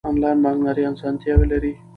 انلاین بانکداري اسانتیاوې لري.